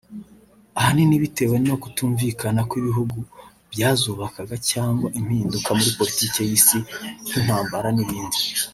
ahanini bitewe no kutumvikana kw’ibihugu byazubakaga cyangwa impinduka muri politiki y’Isi nk’intambara n’ibindi